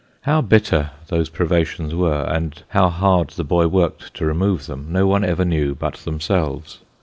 How bitter those privations were, and how hard the boy worked to remove them, no one ever knew but them selves.